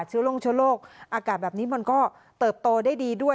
ลงเชื้อโรคอากาศแบบนี้มันก็เติบโตได้ดีด้วย